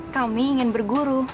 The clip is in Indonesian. kami ingin berguru